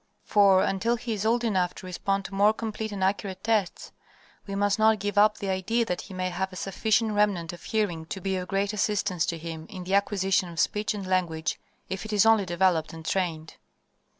For, until he is old enough to respond to more complete and accurate tests, we must not give up the idea that he may have a sufficient remnant of hearing to be of great assistance to him in the acquisition of speech and language, if it is only developed and trained.